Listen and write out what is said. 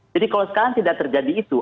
jadi kalau sekarang tidak terjadi itu